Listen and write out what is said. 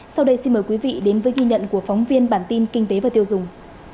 sau đây xin mời quý vị đến với ghi nhận của phóng viên bản tin kinh tế và tiêu dùng